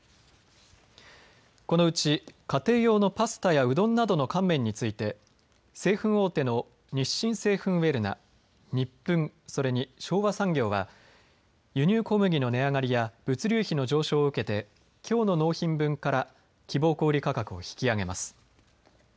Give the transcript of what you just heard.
このうち、家庭用のパスタやうどんなどの乾麺について、製粉大手の日清製粉ウェルナ、ニップン、それに昭和産業は、輸入小麦の値上がりや物流費の上昇を受けてきょうの納品分から希望小売価格を引き上げます。